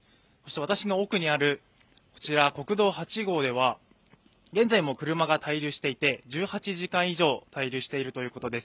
私の奥にある国道８号では現在も車が滞留していて１８時間以上、滞留しているということです。